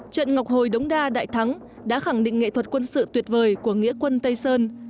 trận ngọc hồi đống đa đại thắng đã khẳng định nghệ thuật quân sự tuyệt vời của nghĩa quân tây sơn